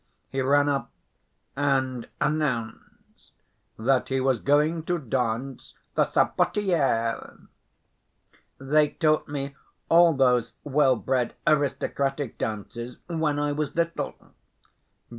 He ran up and announced that he was going to dance the "sabotière." "They taught me all those well‐bred, aristocratic dances when I was little...."